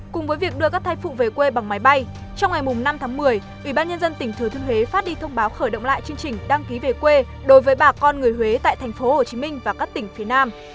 cùng với việc đưa các thai phụ về quê bằng máy bay trong ngày năm tháng một mươi ubnd tỉnh thừa thiên huế phát đi thông báo khởi động lại chương trình đăng ký về quê đối với bà con người huế tại tp hcm và các tỉnh phía nam